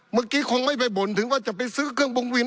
เมื่อกี้คงไม่ไปบ่นถึงว่าจะไปซื้อเครื่องวงเวียน